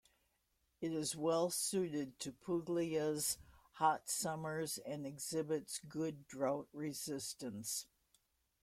It is well suited to Puglia's hot summers and exhibits good drought-resistance.